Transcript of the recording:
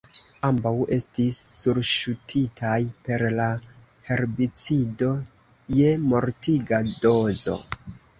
Ambaŭ estis surŝutitaj per la herbicido je mortiga dozo.